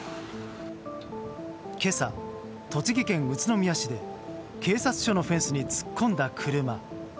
今朝、栃木県宇都宮市で警察署のフェンスに突っ込んだ車。